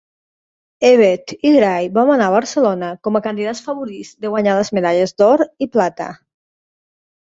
Everett i Gray van anar a Barcelona com a candidats favorits de guanyar les medalles d'or i plata.